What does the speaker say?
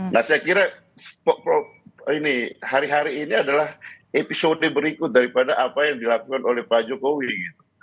nah saya kira ini hari hari ini adalah episode berikut daripada apa yang dilakukan oleh pak jokowi gitu